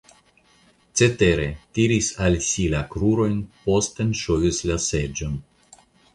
Cetere, tiris al si la krurojn, posten ŝovis la seĝon.